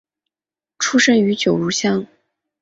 出生于九如乡。